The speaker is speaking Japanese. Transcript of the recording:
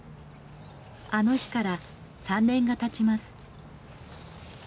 あの日から３年が経ちます。